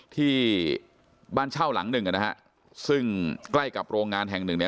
ที่บ้านเช่าหลังหนึ่งนะฮะซึ่งใกล้กับโรงงานแห่งหนึ่งเนี่ย